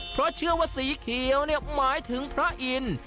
เพราะเชื่อว่าสีเขียวเนี่ยหมายถึงพระอินทร์